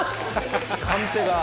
カンペが。